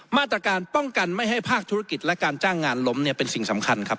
มาตรการป้องกันไม่ให้ภาคธุรกิจและการจ้างงานล้มเนี่ยเป็นสิ่งสำคัญครับ